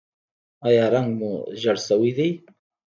ایا رنګ مو ژیړ شوی دی؟